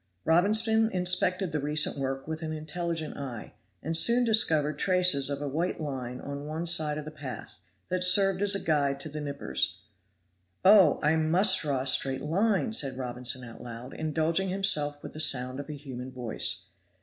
Robinson inspected the recent work with an intelligent eye, and soon discovered traces of a white line on one side of the path, that served as a guide to the knippers. "Oh! I must draw a straight line," said Robinson out loud, indulging himself with the sound of a human voice.